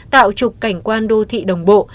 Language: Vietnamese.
tạo trục cảnh quan đô thị đồng bộ